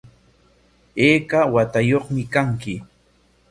¿Ayka watayuqmi kanki?